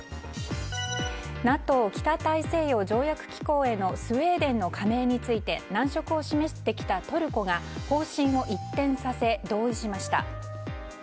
ＮＡＴＯ・北大西洋条約機構へのスウェーデンの加盟について難色を示してきたトルコが方針を一転させ同意しました。